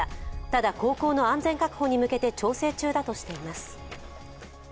ただ、航行の安全確保に向けて調整中だとしています。